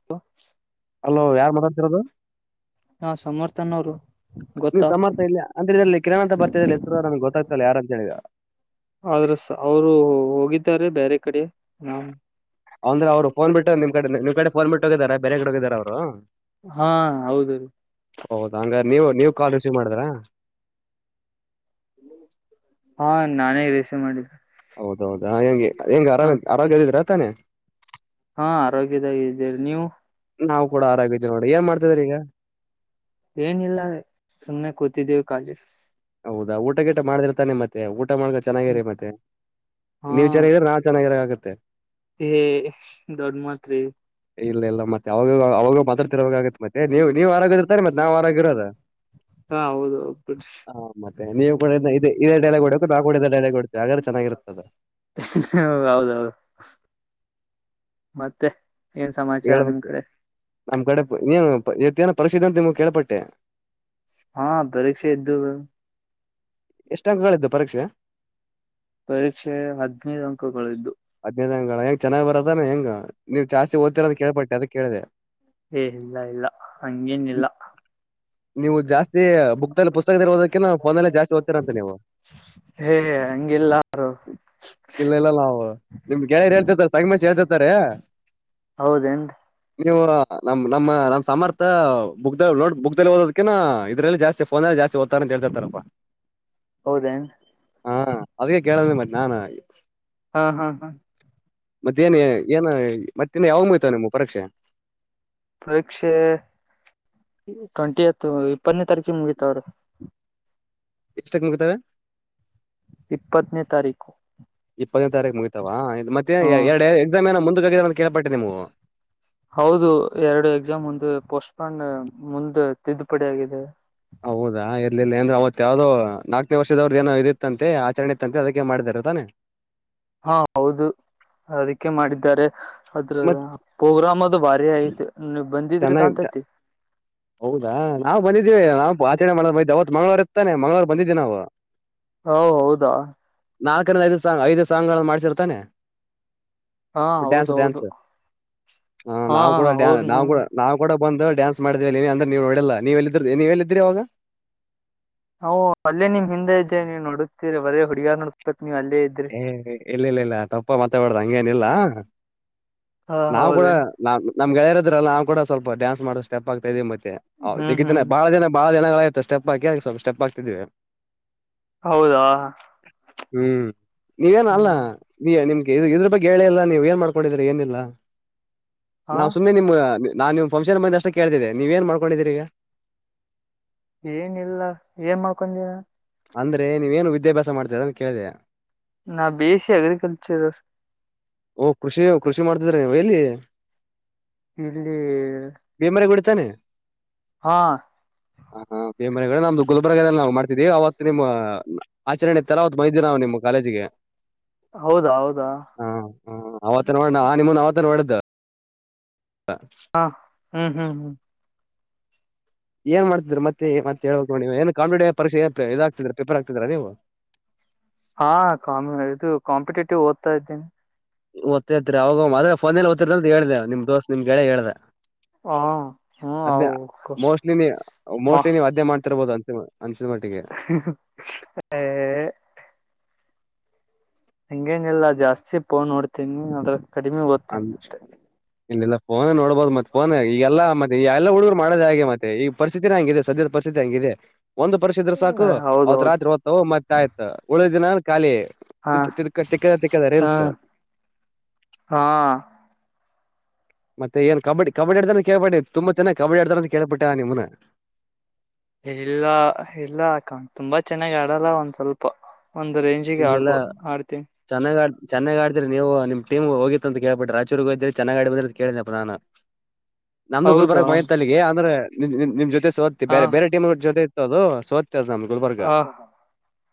[inaudible] Hello ಯಾರ್ ಮಾತಾಡ್ತಿರೋದು. ನಾ ಸಮರ್ಥ ಅನ್ನೋರು. ನೀವ ಸಮರ್ಥ ಇಲ್ಲೆ ಅಂದ್ರೆ ಅಲ್ಲಿ ಕಿರಣ ಅಂತ ಬರ್ತ್ರ ಹೆಸರು ನಮ್ಗ ಗೊತ್ತಾಗ್ತಲ್ಲ ಯಾರ ಅಂತ ಹೇಳಿ. ಅವ್ರು ಅವರು ಹೋಗಿದ್ದಾರೆ ಬೇರೆ ಕಡೆ ನಾವು ಅಂದ್ರ ಅವ್ರ ಫೋನ್ ಬಿಟ್ಟ ನಿಮ್ಮ ನಿಮ್ಮ ಕಡೆ ಫೋನ್ ಬಿಟ್ಟ ಹೋಗಿದಾರ ಬೇರೆ ಕಡೆ ಹೋಗಿದಾರ ಅವರು ಹಾ ಹೌದುರೀ. ಹೌದಾ ಹಂಗ ನೀವ ನೀವ್ ಕಾಲ್ ರಿಸೀವ್ ಮಾಡಿದ್ರಾ. ಹಾ ನಾನೇ ರಿಸೀವ್ ಮಾಡಿದ್ದ. ಹೌದೌದಾ ಹೆಂಗ ಹೆಂಗೆ ಆರ್ ಆರೋಗ್ಯ ಇದ್ರಿ ತಾನೆ ಹಾ ಆರೋಗ್ಯದಾಗ ಇದ್ದೀರಿ ನೀವು. ನಾವು ಕೂಡ ಆರೋಗ್ಯ ಇದೀವ ನೋಡಿ ಏನ್ ಮಾಡತಿದಿರ ಈಗ. ಏನಿಲ್ಲ ಸುಮ್ಮ್ನೆ ಕೂತಿದ್ದೀವಿ ಕಾಲಜ ಹೌದಾ ಊಟ ಗಿಟ ಮಾಡ್ದಿರ್ತಾನೆ ಮತ್ತೆ ಊಟ ಮಾಡ್ ಚೆನ್ನಾಗಿರಿ ಮತ್ತೆ ನೀವ್ ಚೆನ್ನಾಗಿದ್ರ ನಾ ಚೆನ್ನಾಗಿರ ಆಗತ್ತೆ. ಈ ದೊಡ್ಡ ಮಾತ್ರಿ. ಇಲ್ಲ ಇಲ್ಲ ಮತ್ತೆ ಅವಾಗ ಅವಾಗ ಮಾತಾಡ್ತಿರಬೇಕ ಆಗತ್ತ ಮತ್ತೆ ನೀವ್ ನೀವ ಆರೋಗ್ಯ ಇದ್ರೆ ತಾನೇ ಇರ್ತಾನ ನಾವ್ ಆರೋಗ್ಯ ಇರೋದ. ಹಾ ಹೌದು ಬಿಡ್ರಿ ಹ ಮತ್ತೆ ಹ ನೀವ ಕೂಡ ಇದ ಇದೇ ಡೈಲಾಗ್ ಕೊಡ್ಬೇಕು ನಾವು ಕೂಡ ಇದೇ ಡೆಳ ಕೊಡ್ತೇವೆ ಹಾಗ್ರೆ ಚೆನ್ನಾಗಿರುತ್ತೆ. ಅದ ಹ ಹೌದ ಹೌದ ಮತ್ತೆ. ಏನ್ ಸಮಾಚಾರ ನಿಮ್ ಹೇಳ್ಬೇಕು ಕಡೆ ನಮ್ ಕಡೆ ನೀನು ಇತ್ತೇನ ಪರೀಕ್ಷಿತ ಅಂತ ನಿಮ್ ಕೇಳ್ಪಟ್ಟೆ. ಹಾ ಪರೀಕ್ಷೆ ಇದ್ದು. ಎಷ್ಟು ಅಂಗಗಳಿದ್ದು ಪರೀಕ್ಷೆ. ಪರೀಕ್ಷೆ ಹದ್ಿನೈದು ಅಂಕಗಳ್ದು. ಹದ್ೈದ್ ಅಂಗಳಾ ಹೆಂಗ ಚೆನ್ನಾಗಿ ಬರೋದಾನ ಹೆಂಗ. ನೀವ್ ಜಾಸ್ತಿ ಓದ್ತೀರ ಅಂತ ಕೇಳ್ಪಟ್ಟೆ ಅದಕ್ ಕೇಳಿದೆ ಏ ಇಲ್ಲ ಇಲ್ಲ ಹಂಗೇನ ಇಲ್ಲ. ನೀವು ಜಾಸ್ತಿ ಬುಕ್ಲ್ಲಿ ಪುಸ್ತಕ ಇರವುದಕಿ ೋಲ್ಲೇ ಜಾಸ್ತಿಓದ್ತಿರಂತೆಂತ ನೀವು. ಹೇ ಹಂಗಿಲ್ಲಾರು. ನಿಮ್ಗೆಳ ಹೇಳ್ತಿತ ಸಂಗಮೇಶ ಹೇಳುತ್ತಾರೆ. ಹೌದೇನ್. ನೀವು ನಮ್ ನಮ್ಮ ನಮ್ಮ ಸಮರ್ಥ ಬುಕ್ ನೋ ಬುಕ್ಲ್ಲಿ ಓದೋದಕನಾ ಇದ್ರಲ್ಲಿ ಜಾಸ್ತಿ. ಫೋನಲ್ಲಿ ಜಸ್ತಿ ಓತಾರಂತೇಳ್ತಾರಪ್ಪ. ಹೌದೇ. ಹಾ ಅವೇ ಕೇಳಿದ ಮತ್ತ ನಾನ್. ಹಾ ಹಾ ಹಾ- ಮತ್ತೇನ್ ಏನು ಮತ್ತೇನ್ನು ಯಾವಾಗ ಮುಯ್ತವ ನಿಮ್ಮ ಪರೀಕ್ಷೆ. ಪರೀಕ್ಷೆ ಟ್ವೆಂಟಿ ಎತ್ ಇಪ್ಪನೇ ತಾರೀಕಿ ಮುಗಿತಾವರಿ. ಎಷ್ಟಕ್ಕೆ ಮುಗ್ತಾರೆ. ಇಪ್ಪತ್ತನೇ ತಾರೀಕು. ಇಪ್ಪತ್ತನೇ ತಾರೀಕು ಮುಗಿತಾವ ಮತ್ತೆ ಹ ಎರಡು ಎಕ್ಸಾಮ್ ಏ ಮು ಆಗಿದ ಅಂತ ಕೇಳಳ್ಪಟ್ಟೆ ನೀವು. ಹೌದು ಎರಡು ಎಕ್ಸಾಮ್ ಒಂದು ಪೋಸ್ಟ್ಪೋನ್ ಮುಂದ ತಿದ್ದುಪಡಿ ಆಗಿದೆ. ಹೌದಾ ಇರ್ಲಿಲ್ಲ ಅಂದ್ರೆ ಅವತ್ ಯಾವ್ದೋ ನಾಲ್ಕನೇ ವರ್ಷದವ್ರದ ಜನ ಇದ ಇತ್ತಂತೆ ಆಚರಣೆ. ಅದಕ್ಕೆ ಮಾಡಿದಾರ ತಾನೆ. ಹಾ ಹೌದು ಅದಕ್ಕೆ ಮಾಡಿದ್ದಾರೆ ಅದ್ರ ಮತ್ ಪ್ರೋಗ್ರಾಮ್ ಅದು ಭಾರಿ ಐತೆ. ನೀ ಬಂದಿದ್ರೆ ಚೆನ್ನಾಗಿ ಕಾಣ್ತೈತಿ. ಹೌದಾ ನಾವು ಬಂದಿದ್ದೀವಿ ನಾವು ಆಚರಣೆ ಮಾಡ ಮೈ ಅವತ್ ಮಂಗಳವಾರ ಇರ್ತಾನೆ ಮಂಗಳವಾರ ಬಂದಿದ್ದವಿ ನಾವು. ಹ ಹೌದಾ. ನಾಲ್ಕರಿಂದ ಐದು ಸಾಂಗ್ ಐದು ಸಾಂಗ್ ಗಳನ್ನು ಮಾಡಿಸಿಿರ್ತಾನೆ. ಹಾ ಡ್ಯಾನ್ಸ್ ಹೌದೌದು ಡ್ಯಾನ್ಸ್ ಹ ಹಾ ನಾವು ಕೂಡ ಡ ಹೌದು ನೋ ನಾವು ಕೂಡ. ನಾವವು ಕೂಡ ಬಂದು ಡ್ಯಾನ್ಸ್ ಮಾಡೇವ ನೀ ಅಂದ್ರೆ ನೀವು ನಡಲ್ಲ ನೀವಲ್ಲ ಇದ್ರ ನೀವಲ್ಲ ಇದ್ರರಿವಾಗ. ಹ್ ಅಲ್ಲೇ ನಿಮ್ ಹಿಂದೆ ಇದ್ದೆ ನೀವು ನೋಡ್ತೀರ ಒರೇ ಹುಡುಗಾರ್ ನಡ್ಸ್ತೇತ್ ನೀವ್ ಅಲ್ಲೇ ಇದ್ದೆ ಹ ಇಲ್ಲ ಇಲ್ಲ ಇಲ್ಲ ತಪ್ಪ ಮತ್ತಬ್ದ ಹಂಗಗೆೇನಿಲ್ಲ ಹಾ ನಾವ್ ಕೂಡ. ಹೌದೇ ನಾ ನಮ್ಗೆೆಯರ್ರಲ್ಲ ನಾ ಕೂಡ ಸ್ವಲ್ಪ ಡಾನ್ಸ್ ಮಾಡೋ ಸ್ಟೆಪ್ ಆಗ್ತಾ ಇದೇ ಮತ್ತೆ. ಹಾ್ ಹ್ಮ್ ಜಗತ್ತಿನ ಹ್ಮ್ ಬಾಳ ಜಿನ ಬಾಳ ಜನಗಳ ಆತ ಸ್ಟೆಪ್ ಹಾಕಿ ಸ್ವಲ್ಪ ಸ್ಟೆಪ್ ಹಾಕ್ತಿದ್ವಿ. ಹೌದಾ. ಹ್ಮ್ ನೀವೇನ ಅಲ್ಲ. ಹ್ಮ್ ನೀಯ್ಯ ನಿಮ್ಗೆ ಇದು ಇದ್ರ ಬಗ್ಗೆ ಹೇಳಿಿಲ್ಲಾ ನೀವು ಏನ್ ಮಾಡ್ಕೊಂಡಿದ್ರ ಏನಿಲ್ಲ. ಹಾ ನಾವು ಸುಮ್ಮನೆ ನಿಮ್ಮ ನಾನ್ ನಿವು್ ಫಂಕ್ಷನ್ ಬಂದ ಅಷ್ಟು ಕೇಳ್ತಿದ್ದೆ ನೀವ ಏನ್ ಮಾಡ್ಕೊಂಡಿದ್ದೀರಿ ಈಗ. ಏನ ಇಿಲ್ಲ ಏನ್ ಮಾಡ್ಕೊಂಡೀಿನ. ಅಂದ್ರೆ ನೀವ ೇನುಿದ್ಯಾಭ್ಯಾಸ ಮಾಡ್ತ ಅಂತ ಕೇಳಿದೆ. ನಾ ಬೇಸಿ ಅಗ್ರಿಕಲ್ಚರ್. ಓ ಕೃಷಿ ಕೃಷಿ ಮಾಡ್ತಿದ್ರೆ ನೀವ ಎಲ್ಲಿ. ಇಲ್ಲಿ. ಬಿಮ್ರಾಯಿ ಗುಡಿ ತಾನೆ. ಹಾ. ಹ ಹಾ ಪೇಮನೆ ನಮ್ದು ಗುಲಬರ್ಗಾದಲ್ಲಿ ನಾ ಮಾಡತಿದ್ದೀವಿ ಅವತ್ತ. ನಿಮ್ಮ ಆಚರಣೆ ಇತ್ತ ಅಲ್ಲ ಅವತ್ ಬಂದಿದ್ದೀವಿ ನಾವ ನಿಮ್ಮ ಕಾಲೇಜಿಗಿ. ಹೌದಾ ಹೌದಾ ಹಾ ಹ ಅವತನ ನೋಡ ನಾ ನಿಮ್ಮನ್ ಅವತನ ನೋಡಿದ. ಹಾ ಹ್ಮ್ ಹ್ಮ್ ಹ್ಮ್. ಏನ್ ಮಾಡ್ತಿದ್ರ ಮತ್ತೆ ಮತ್ತ ಹೇಳ ಬೇಕ ನೋಡ್ ನೀವ ಏನ್ ಕಾಂಪಿಟೇಟಿವ್ ಪರೀಕ್ಷೆ ಇದ ಆಗ್ತ್ರ ಪೇಪರ್ ಆಗತಿದಿರ ನೀವು. ಹಾ ಕಾಮ ಇದು ಕಾಂಪಿಟೇಟಿವ್ ಓದ್ತಾ ಇದ್ದೇನಿ. ಓದತಾ ಇರುತೀರ ಅವಾಗ [unintelligible] ಫೋನೇ ಓತ್ತರ್ ಅಂತ ಹೇಳ್ದೆ ನಿಮ್ ದೋಸ್ ನಿಮ್ ಗೆಳಯ ಹೇಳ್ದ. ಹ ಹ್ಮ ಹೌ ಅದ್ನೇ ಮೋಸ್ಟ್ಲಿ ನೀ ಮ ಮೋಸ್ಟ್ಲಿ ನೀವು ಅದೇ ಮಾಡ್ತಿರ್ಬೋದು ಅಂತ. ಅನ್ಸಿದ ಮಟ್ಟಿಗೆ. [unintelligible] ಹ ಏ. ಹಂಗ ಏನ ಇಲ್ಲಾ ಜಾಸ್ತಿ ಫೋನ್ ನೋಡ್ತೇನಿ ಅದ್ರ ಕಡಿಮೆ ಓದ್ತೇನಿ ಅಷ್ಟೆ. ಇಲ್ಲ ಇಲ್ಲ ಫೋನ್ ನೋಡ್ಬಹದು ಮತ್ತೆ ಫೋನ್ ಈಗ ಎಲ್ಲಾ ಮತ್ತೆ ಎಲ್ಲ ಹುಡುಗರು ಮಾಡೋದ ಹಾಗೆ ಮತ್ತೆ ಈಗ. ಪರಿಸ್ಥಿತತಿನ ಹಂಗಿದೆ ಸದ್ಯದ ಪರಿಸ್ಥಿತಿ ಹಂಗಿದೆ. ಒಂದ ಪರಿಷ ಇದ್ರ ಸಾಕು ಅವತ್ ಹೌದೌದು ರಾತ್ರಿ ಓದ್ತವು ಮತ್ತೆ ಆಯ್ತು ಉಳ ದಿನನ್ ಖಾಲಿ. ಹಾ ತಿದ್ದ ತಿಕ್ಕ ತಿಕ್ಕದ ತಿಕ್ಕದ ಹಾ ರೇಲ್ಸ. ಹಾ. ಮತ್ತೆ ಏನು ಕಬ್ಬಡಿ ಕಬ್ಬಡಿ ಅಡ್ದಾನ ಕೇಳಿ ಪಟ್ಟೆ ತುಂಬ ಚೆನ್ನಾಗಿ ಕಬ್ಬಡಿ ಆಡ್ತಾರೆ ಕೇಳಿ ಪಟ್ಟೆ ನಾ ನಿಮ್ಮನ. ಇಲ್ಲ ಇಲ್ಲಾ ಅಕ್ಕ ತುಂಬಾ ಚೆನ್ನಾಗ್ ಆಡಲ್ಲ ಒಂದ್ ಸ್ವಲ್ ಪ್ಪ ಒಂದ ರೇಂಜಿಗೆ ಆಡ್ಬೋದ ಆಡ್ತೀನ. ಚನ್ನಾಗ್ ಆಡ್ ಚೆನ್ನಾಗಿ ಆಡತಿರಿ ನೀವು ನಿಮ್ಮ ಟೀಮ್ ಹೋಗಿತ್ತ ಅಂತ ಕೇಳಿ ಪಟ್ಟೆ ರಾಯಚೂರಿಗ ಹೋಗಿದೇವಿ ಚೆನ್ನಾಗಿ ಆಡಿ ಬಂದ್ರ ಅಂತ ಕೇಳಿದನಪ್ಪ ನಾನು. [inaudible] ನಮ್ದು ಹೌದಾ ಗುಲಬರ್ಗಾ ಬಂದಿತ ಅಲ್ಲಿಗೆ ಆಮೇಲೆ ನಿಮ್ ನಿಮ್ ನಿಮ್ ಜೊತೆ ಸೋತಿ ಹಾ ಬೇರೆ ಬೇರೆ ಟೀಮ್ ಜೊತೆ ಇತ್ತು ಅದು ಸೊತ್ತ. [unintelligible] ನಮ್ಮ ಗುಲ್ಬರ್ಗ. ಹ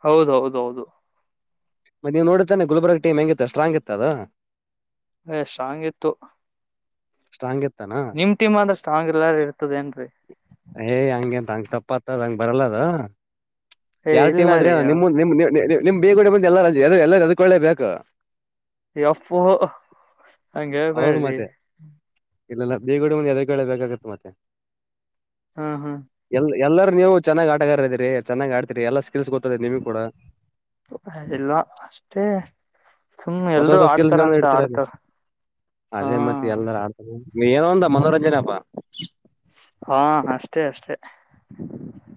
ಹೌದ ಹೌದ ಹೌದು. ಮತ್ತ ನೀವು ನೋಡಿದ್ರಿ ತಾನೆ ಗುಲ್ಬರ್ಗ ಟೀಮ್ ಹೆಂಗ ಇತ್ತ ಸ್ಟ್ರಾಂಗ್ ಇತ್ತ ಅದ. ಸ್ಟ್ರಾಂಗ್ ಇತ್ತು ಸ್ಟ್ರಾಂಗ್ ಇತ್ತ ಅನ. ನಿಮ ಟೀಮ್ಂದ್ರ ಸ್ಟಾಂಗ್ ಎಲ್ಲಾರ ಇರ್ತದ ಏನ ರಿ. ಏಯ್ ಹಂಗೆ ಎಂತ ಹಂಗ ತಪ್ಪತ್ತದ ಹಂಗ ಬರಲ್ಲ ಅದ. ಏ ಯಾರ್ ಇಲ್ಲ ಟೀಮ್ ರೀ ಆದ್ರೆ ನಿಮ್ಮ ನಿಮ್ ನಿಮ್ ಬೇಗಡೆ ಬಂದ ಎಲ್ಲ ಎಲ್ಲ ಹೆದರ ಕೊಳ್ಳೆ ಬೇಕು. ಎಪ್ಪು ಹಂಗ ಹೇಳ್ ಬ್ಯಾಡರಿ. ಇಲ್ಲ ಇಲ್ಲ ಬೇಗಡೆ ಮುಂದ ಹೆದರ ಕೊಳ್ಳೆ ಬೇಕಾಗುತ್ತೆ ಮತ್ತೆ. ಹಾ ಹಾ. ಎಲ್ ಎಲ್ಲರೂ ನೀವು ಚನ್ನಾಗ್ ಆಟಗಾರ ಇದ್ರರಿ ಚನ್ನಾಗ್ ಆಡ್ತತಿರಿ ಎಲ್ಲ ಸ್ಕಿಲ್ಸ್ ಗೊತ್ತದೆ ನಿಮ್ಗ್ ಕೂಡ. ಇಲ್ವಾ ಅಷ್ಟೇ ಸುಮ್ನೆ ಹೊಸ ಎಲ್ರುೂ ಹೊಸ ಸ್ಕಿಲ್ಸ್ ಆಡ್ತಾರ ಗಳನ್ನ ಅಂತ ಇಡ್ತೀರ ಆಡ್ತಾರ. ಹಾ ಅದೇ ಮತ್ತೆ ಎಲ್ಲರ ಆಡ್ತ ಏನೋ ಒಂದ ಮನೋರಂಜನೆಪ್ಪಾ. ಹಾ ಅಷ್ಟೇ ಅಷ್ಟೆ.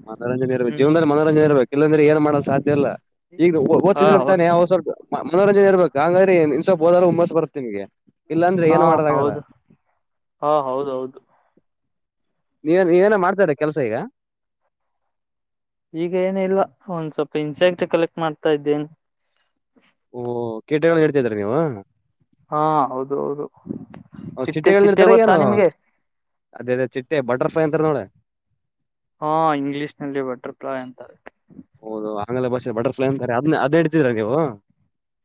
ಮನರಂಜನೆ ಇರ್ಬೇಕ ಜೀವದಲ್ಲಿ ಮನೋಂಜನೆ ಇಬೇಕ ಇಲ್ಲಂದ್ರೆ ಏನ್ ಮಾಡೋ ಸಾಧ್ಯ ಇಲ್ಲ. ಈಗ ಓ ಓದ ಹಾ ತಿದಿರ ಹೌದು ತಾನೆ ಅವ್ ಸ್ವಲ್ಪ ಮನೋರಂಜನೆ ಇರ್ಬೇಕ ಹಂಗ್ರೆ ಇನ್ ಸ್ವಲ್ಪ ಓದಲು ಹುಮ್ಮಸ್ ಬರುತ್ತೆ ನಿಮಗೆ. ಇಲ್ಲಾಂದ್ರೆ ಹಾ ಏನ್ ಮಾಡದಾಗಲ್ಲ. ಹೌದು ಹಾ ಹೌದೌದು. ನೀವ ನೀವೇನ ಮಾಡ್ತಾರೆ ಕೆಲಸ ಈಗ. ಈಗ ಏನ ಇಲ್ವಾ ಒಂದ್ ಸ್ವಲ್ಪ ಇನ್ಸೆಕ್ಟ್ ಕಲೆಕ್ಟ್ ಮಾಡ್ತಾ ಇದ್ದೇನೆ. ಓಹ ಕೀಟಗಳ ಹಿಡಿತಿದ್ರರಿ ನೀವ ಹಾ ಹೌದು ಹೌದು ಚಿಟ್ಟೆ ಚಿಟ್ಟೆಗಳನ್ನ ಚಿಟ್ಟೆ ಹಿಡತಾರ ಗೊತ್ತಾ ಏನು ನಿಮ್ಗೆ [inaudible] ಅದೇ ಅದೇ ಚಿಟ್ಟೆ ಬಟರ್ಫ್ಲೈ ಅಂತಾರ ನೋಡ ಹಾ ಇಂಗ್ಲೀಷ್ ನಲ್ಲಿ ಬಟರ್ಫ್ಲಾಯ್ ಅಂತಾರೆ. ಹೌದು ಆಮೇಲೆ ಬಸ್ಸ ಬಟರ್ಫಲೈ ಅಂತಾರೆ ಅದ್ನ ಅದೆ ಹಿಡಿತಿದ್ರ ನೀವು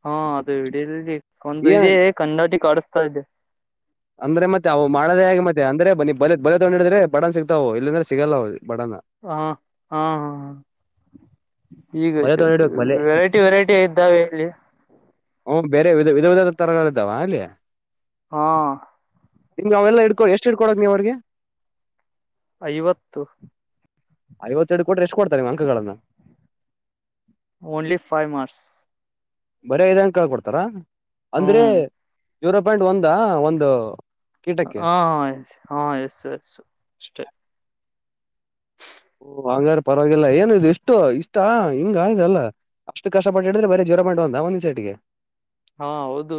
ಹಾ ಅದು ಹಿಡಿಯದಿಟ ಕೊಂಡ ಇದೇ ಏನ್ ಕನ್ನಡಿ ಕಡಸ್ತಾ ಇದೆ ಅಂದ್ರೆ ಮತ್ತೆ ಅವು ಮಾಡದೇ ಹಾಗೆ ಮತ್ತೆ ಅಂದ್ರೆ ಬ ಬಲೆ ತಗೊಂಡ ಹಿಡದ್ರೆ ಬಡನ ಸಿಗ್ತಾವ ಇಲ್ಲಾಂದ್ರೆ ಸಿಗಲ್ಲವು ಬಡನ ಹಾ ಹಾ ಹಾ ಹ ಈಗ ಬಲೆ ತಗೊಂಡಿಡ್ಬೇಕು ಬಲೆ ವೆರೈಟಿ ವೆರೈಟಿ ಇದ್ದಾವೆ ಇಲ್ಲಿ ಹಓ ಬೇರೆ ವಿ ವಿಧ ವಿಧದ ತರಗಳ ಇದಾವ ಅಲ್ಲಿ ಹಾ ನಾವೆಲ್ಲ ಇಡ್ಕೋ ಎಷ್ಟ ಇಡ್ಕೋಕಳ ನೀವು ಅವ್ರ್ಗೆ ಐವತ್ತು. ಐವತ್ತೆರಡ ಕೊಟ್ರ ಎಷ್ಟ ಕೊಡ್ತಾರೆ ನಿಮ್ಮ ಅಂಕಗಳನ್ನ ಓನ್ಲಿ ಫೈವ್ ಮಾರ್ಸ್ ಬರೆ ಇದನ್ನ ಕಳ್ಕಡ್ತರ ಅಂದ್ರೆ ಹ್ಮ್ ಜೀರೋ ಪಾಯಿಂಟ್ ಒಂದಾ ಒಂದು ಕೀಟಕ್ಕೆ ಹ ಹಾ ಎಸ್ ಎಸ್ ಅಷ್ಟೇ ಓ ಹಂಗಾರ ಪರವಾಗಿಲ್ಲ ಏನು ಇಸ್ಟು ಇಷ್ಟಾ ಹಿಂಗ ಇದೆಲ್ಲ. ಅಷ್ಟ ಕಷ್ಟಪಟ್ಟಹಿಡಿದ್ರೆಬರೆ ಜೀರೋ ಪಾಯಿಂಟ್ ಒಂದ್ ಸೈಡ್ಗೆ. ಹಾ ಹೌದು.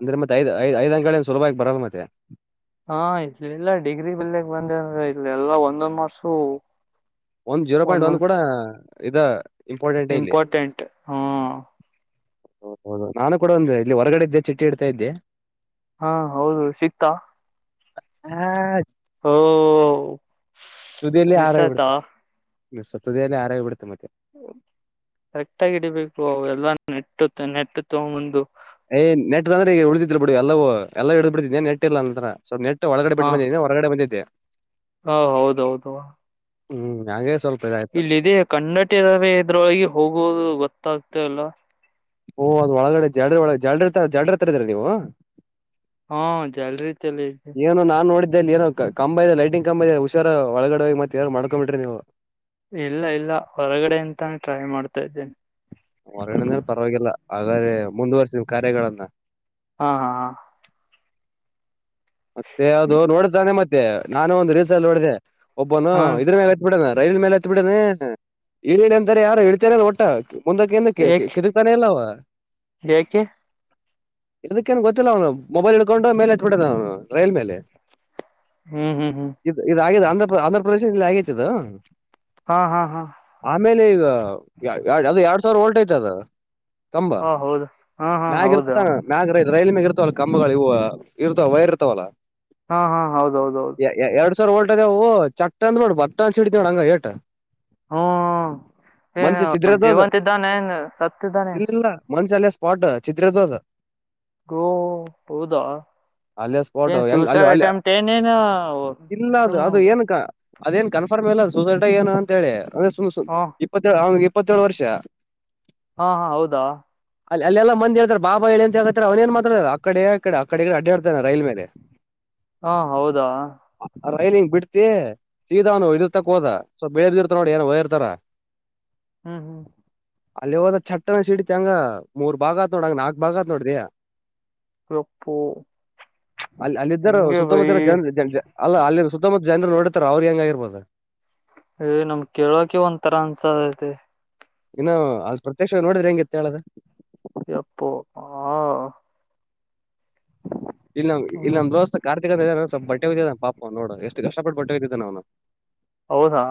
ಅಂದ್ರೆ ಮತ್ತ ಐದ ಐದ ಅಂಕಗಳ ಸುಲಭವಾಗಿ ಬರೋಲ್ಲ ಮತ್ತೆ. ಹಾ ಇಲ್ಲಲ್ಲಾ ಡಿಗ್ರಿ ಬಲ್ಲೆ ಬಂದವೆಂದರೆ ಇಲ್ಲಲ್ಲಾ ಒಂದೆ ಮಾರ್ಸು. ಒಂದ್ ಜೀರೋ ಪಾಯಿಂಟ್ ಒಂದ ಕೂಡ ಇದ ಇಂಪೋರ್ಟಂಟ್ ಇಲ್ಲಿ [inaudible] ಇಂಪಾರ್ಟೆಂಟ್ ಹಾ ಹ ಹೌದು ನಾನು ಕೂಡ ಒಂದೆ ಇಲ್ಲಿ ಹೊರಗಡೆಇದ್ದೆ ಚಿಟ್ಟಿ ಇಡ್ತಾ ಇದ್ದೆ. ಹಾ ಹೌದು ಸಿಕ್ತಾ. [inaudible] ಹಾ ಓಹೋ.... ತುದಿಯಲ್ಲಿ ಆರೋಗಿ ಬಿಟತ [inaudible] ಮತ್ತ್ ಸುತದೇನೆ ಆರೋಗಿ ಬಿಡುತ್ತ ಮತ್ತೆ. ಕರೆಕ್ಟ್ ಆಗಿ ಇಡಿಬೇಕು ಅವ ಎಲ್ಲ ನೆಟ್ಟ ನೆಟ್ಟ ತೊಬಂದ ಏ ನೆಟ್ ಆದ್ರ ಈಗ ಉಳದಿದಿಲ್ಲ ಬಿಡು ಎಲ್ಲವ ಎಲ್ಲ ಇಡ್ದ ಬಿಡ್ದತಿದ್ದಿನಿ ಏ ನೆಟ್ ಇಲ್ಲ ನನ್ನ ಹತ್ರ ಸ್ವಪ್ ನೆಟ್ ಒಳಗಡೆ ಬಿಟ್ಟು ಬಂದಿದ್ದ ಹೊರಗಡೆ ಬಂದಿದ್ದೆ. ಹ ಹೌದ ಹೌದ ಹ್ಮ್ ಹಾಗೆ ಸ್ವಲ್ಪ್ ಇಲ್ಲ ಇದೆ ಕನ್ನಟಿರವೇ ಇದ್ರುಈ ಹೋಗುವುದು ಗೊತ್ತಾಗ್ತ ಇಲ್ಲಾ ಓ ಅದ್ ಒಳಗಡೆ ಜಾಡ್ರಿ ಒಳ್ಗೆ ಜಾಡ್ರಿ ಜಾಡ್ರಿ ತರದಿರಿ ನೀವು ಹಾ ಜಲ್ರಿ ತಂದಿವಿ ಏನೋ ನಾ ನೋಡಿದ್ದೆ ಇ ಏನೋ ಕಂಬ ಇದೆ ಲೈಟಿಂಗ್ ಕಂಬ ಇದೆ ಹುಷಾರ ಒಳಗಡೆ ಹೋಗಿ ಮತ್ತ ಏನರ್ ಮಾಡ್ಕೊಂಡ ಬಿಟ್ರಿ ನೀವು ಇಲ್ಲ ಇಲ್ಲ ಹೊರಗಡೆ ಅಂತಾನ ಟ್ರೈ ಮಾಡ್ತಾ ಇದ್ದೇನೆ. ಹೊರಗಡನೇ ಪರವಾಗಿಲ್ಲ ಹಾಗಾದೆ ಮುಂದುವರ್ಸಿ ಕಾರ್ಯಗಳನ್ನ ಹಾ ಹಾ ಹಾ ದೇ ಅದು ನೋಡ್ತಾನೆ ಮತ್ತೆ ನಾನು ಒಂದು ರೀಲ್ಸ್ ಅಲ್ಲಿ ನೋಡಿದೆ [inaudible] ಒಬ್ಬನು ಹಾ ಹಾ ಇದ್ರ ಮೇ ಬಿಟ್ಟಾನ ರೈಲ್ ಮೇಲೆ ಹತ್ತ ಬಿಟ್ಟನ [inaudible] ಇಳಿರಿ ಅಂತಾರೆ ಯಾರು ಇಳಿತಾನೆ ಇಲ್ಲ ಹೊಟ್ಟ ಮುಂದಕ್ಕೆ ಇಂದಕ್ಕೆ ಏಕೆ ಕಿದಕ್ ತಾನ ಇಲ್ಲ ಅವ ಏಕೆ ಇದಕ್ಕಏನ್ ಗೊತ್ತಿಲ್ಲ ಅವನು ಮೊಬೈಲ್ ಹಿಡಕೊಂಡು ಮೇಲೆ ಹತ್ತಿಬಿಟ್ಟನ ಅವನು ರೈಲ್ ಮೇಲೆ. ಹ್ಮ್ ಹ್ಮ್ ಹ್ಮ್- ಇ ಇದದು ಆಗ ಆಂಧ್ರ ಆಂಧ್ರ ಪ್ರದೇಶ ಇಲ್ಲಿ ಆಗೈತಿ ಇದು. ಹಾ ಹಾ ಹಾ- ಆಮೇಲೆ ಈಗ ಯಾವೋ ಎರಡ್ ಸಾವಿರ ಓಲ್ಟ್ಜ ಯ್ತದ. ತಂಬಾ ಹಾ ಹೌದು ಹಾ ಹಾ ಮ್ಯಾಗ ಇರ್ತ ಹೌದು ಮ್ಯಾಗ ರೈ ರೈಲ್ ಮ್ಯಾಗ ಇರ್ತ. ಕಂಬಗಳು ಇವು ಇರ್ತಾವ ವೈರ್ ಇರ್ತಾವಲ್ಲ. ಹಾ ಹಾ ಹೌದ ಹೌದ ಹೌದು. ಎ ಎರಡ್ ಸಾವಿರ ಒಲ್ಟಜ ಅದವು ಚ ಅಂದ ಮಾಡಿ ಭ ಬ ಅನ್ಸಿಡತವಡ ಹಂಗಏಟು. ಹ್ಮ್ ಏನು ಮನ್ಷಿ ಚಿದ್ರದು ಅದ ಜೀವಂತ ಇದ್ದಾನೆ ಏನ್ ಸತ್ತ ಇದ್ದಾನೆ. ಮನ್ಷ್ಯ ಅಲ್ಲೆ ಸ್ಪಾಟು ಚಿದ್ರೆದೋದ. ಗೋ ಹೌದಾ?. ಅಲ್ಲೇ ಸ್ಪೋಟ್ ಏನ್ ಹೆಂಗ ಅಲ್ಲಿ ಸೂಸೈಡ್ ಅಲ್ಲ ಅಟೆಂಪ್ಟ್ ಏನೇನು ಇಲ್ಲ ಅದು ಸುಮ್ ಅದು ಏನಕ್ಕ. ಅದೇನ್ ಕನ್ಫರ್ಮ್ ಇಲ್ಲ ಸುಸೈಟಗ ಏನು ಅಂತ ಹೇಳಿ ಅ್ರೆ ಸುಮ್ು ಹಾ ಇಪ್ಪತ್ತೇಳ ಅವನಿಗೆ ಇಪ್ಪತ್ತೇಳು ವರ್ಷ. ಹಾ ಹಾ ಹೌದಾ. ಅಲ್ಲಿ ಅೆಲ್ಲಂದ ಹಳ್ತಾರೆ ಬಾ ಹೇಳಿ ಅಂತ ಹೇಳ್ತ ಅವನೇನ್ ಮಾತಾರೆ ಆ ಕಡೆಡೆಡೆ ಅಡ. ರೈಲ್ ಮೇಲೆ. ಹಾ ಹೌದಾ. ರೈಲಿಂಗ್ ಬಿಡ್ತಿ ಸೀದಾ ಅವನು ಇಿರ್ತಕ್ ಹೋದ ಸೊ ಬೇರ್ದರ್ತ ನೋಡಿ ಏನ್ ವೈರ್ ಇರ್ತಾರ. ಹ್ಮ್ ಹ್ಮ್- ಅಲ್ಲಿ ಹೋದ್ ಚಟ್ಟನ ಸಿಡತಿ ಹಂಗ ಮೂರ್ ಭಾಗ ಆತ್ ನೋಡಂಗ ನಾಲ್ಕ್ ಭಾಗ ಆತ್ ನೋಡ್ರಿ. ಹೋಪೋ. ಅಲ್ಲಿ ಅಲ್ಲಿಿದ್ದರ ಸುತ್ತಮುತ್ತರ ಜನ್ ಅಲ್ಲ ಅಲ್ಲಿ ಸುತ್ತ ಜನರು ನೋಡತಾರ ಅವ್ರಿಗೆ ಹೆಂಗ ಆಗಿರ್ಬೋದು. ಏ್ ನಮ್ ಕೇಳೋಕೆ ಒಂದ್ ತರ ಅನ್ಸತಿ. ಇನ್ನ ಆ ಪ್ರತ್ಯಕ್ಷವಾಗಿ ನೋಡಿದ್ರೆ ಹೆಂಗಿತ್ತು ಹೇಳದು. ಎಪ್ಪೋ ಹಾ. ಇಲ್ಲ ಇಲ್ಲಿ ಹ್ಮ್ ನಮ್ ದೋಸ್ತ ಕಾರ ತಿಕ್ಕಕತ್ಯನ ಸ್ವಲ್ಪ್ ಬಟ್ಟೆ ಹೊಗ್ಯಾಕತ್ಯನ ಪಾಪ ನೋಡು ಎಷ್ಟು ಕಷ್ಟಪಟ್ಟ ಬಟ್ಟೆ ಹೊಗ್ಯಾಕತ್ಯಾನ ಅವ್ನು. ಹೌದಾ?.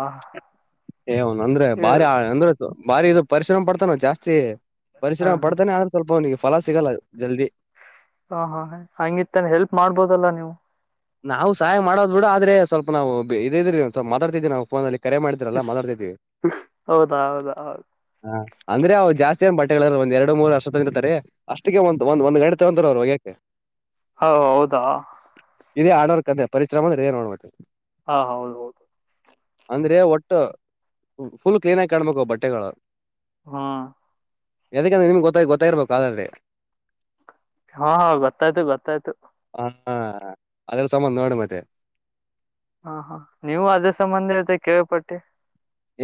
ಏ ಅವ್ನಂದ್ರೆ ಇ ಬಾರಿ ಅಂದ್ರೆ ಬಾರಿ ಇದು ಪರಿಶ್ರಮ ಪಡ್ತನ ಅವ ಜಾಸ್ತಿ. ಹ ಪರಿಶ್ರಮ ಹ ಪಡ್ತಾನೆ ಆದ್ರೆ ಸ್ವಲ್ಪ ಅವನಿಗೆ ಫಲ ಸಿಗಲ್ಲ ಜಲ್ದಿ. ಹಾ ಹಾ ಹಂಗಿತ್ತಾನೆ ಹೆಲ್ಪ್ ಮಾಡ್ಬೋದಲ್ಲಾ ನೀವು. ನಾವು ಸಹಾಯ ಮಾಡೋದ್ ಬಿಡ ಆದ್ರೆ ಸ್ವಲ್ಪ ನಾವು ಇದಿದೀವ್ರಿ ಸ್ವಲ್ಪ್ ಮಾತಾಡ್ತಿದ್ವಿ ನಾವು ಫೋನಲ್ಲಿ. ಕರೆ ಮಾಡಿದ್ರಲ್ಲ ಇಸ್. ಮಾತಾಡ್ತಿದ್ವಿ. ಹೌದಾ ಹೌದಾ ಹೌದು. ಹ ಅಂದ್ರೆ ಅವು ಜಾಸ್ತಿ ಏನ್ ಬಟ್ಟೆಗಳಿಲ್ಲ ಒಂದ್ ಎರಡು ಮೂರು ಅಷ್ಟೇ ತಂದಿರ್ತಾರ್ರಿ. ಅಷ್ಟಕ್ಕೆ ಒಂತ ಒಂದ ಒಂದ್ ಗಂಟೆ ತೊಗಂತಾರ ಅವರು ಹೋಗೇಕೆ. ಹ ಹೌದಾ?. ಇದೇ ಹಾರ್ಡ್ವರ್ಕ್ ಅದೇ ಪರಿಶ್ರಮ ಅಂದ್ರೆ ಇದೆ ನೋಡ್ ಮತೆ. ಹಾ ಹೌದೌದು. ಅಂದ್ರೆ ಒಟ್ಟು ಫುಲ್ ಕ್ಲೀನ್ ಆಗಿ ಕಾಣಬೇಕು ಬಟ್ಟೆಗಳು. ಹಾ. ಯದುಕಂದ್ರೆ ನಿನಗ ಗೊತ್ತಗಿ ಗೊತ್ತಾಗಿರ್ಬೇಕು ಅಲ್ರೇಡಿ. ಹಾ ಹ ಗೊತ್ತಾಯ್ತು ಗೊತ್ತಾಯ್ತು. ಹಾ ಅದೆಲ್ಲ ಸಂಬಂಧ ನೋಡಿ ಮತ್ತೆ. ಹಾ ಹಾ ನೀವು ಅದೆ ಸಂಬಂಧ ಅಂತ ಕೇಳ್ ಪಟ್ಟೆ.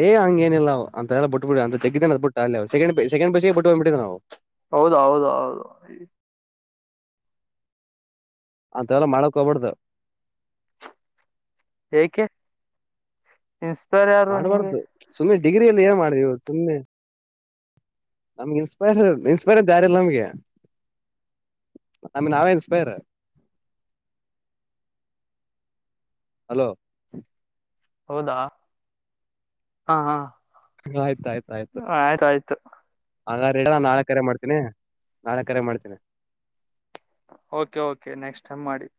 ಏ ಹಂಗೇನಿಲ್ಲ ನಾವು ಅಂತವೆಲ್ಲ ಬುಟ್ಟುಬುಟ್ವಿ, ಅಂತ ಜಗ್ಗಿ ದಿನ ಆಯ್ತು ಬುಟ್ಟು ಆಗ್ಲೇ second, second P U C ಗೆ ಬುಟ್ ಬಂದ್ಭುಟ್ವಿ ನಾವು. ಹೌದೌ ಹೌದ ಹೌದು. ಅಂತವೆಲ್ಲ ಮಾಡೋಕೋಗ್ಬಾಡ್ದು. ಏಕೆ. ಇನ್ಸ್ಪೈರ್ ಯಾರ್. ಮಾಡ್ಬಾರ್ದು ಸುಮ್ಮನೆ ಡಿಗ್ರಿಯಲ್ಲಿ ಏನ್ ಮಾಡಿದ್ವಿ ಸುಮ್ಮನೆ. ನಮ್ಗೆ ಇನ್ಸ್ಪೈರ್ ಇನ್ಸ್ಪೈರ್ ಅಂತ ಯಾರಿಲ್ಲ ನಮ್ಗೆ. ನಮ್ಗ ನಾವೇ ಇನ್ಸ್ಪೈರ್. ಹಲೋ. ಹೌದಾ ಹಾ ಹಾ. ಆಯ್ತ ಆಯ್ತ ಆಯ್ತು. ಆಯ್ತಾಯ್ತು ಹಂಗಾರ ಇಡು ನಾಳೆ ಕರೆ ಮಾಡತೀನಿ. ನಾಳೆ ಕರೆ ಮಾಡ್ತೀನಿ. ಓಕೆ ಓಕೆ ನೆಕ್ಸ್ಟ್ ಟೈಮ್ ಮಾಡಿ.